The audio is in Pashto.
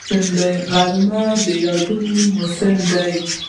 غرمه د یادونو موسم دی